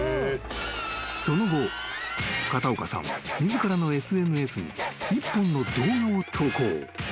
［その後片岡さんは自らのＳＮＳに一本の動画を投稿。